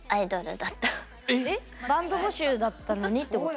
バンド募集だったのにってこと？